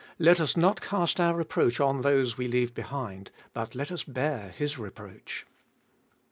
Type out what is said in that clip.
Let us not cast our reproach on those we leave behind, but let us bear — His reproach.